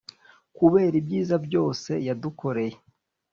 kubera ibyiza byose yadukoreye.